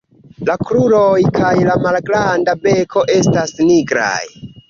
La kruroj kaj la malgranda beko estas nigraj.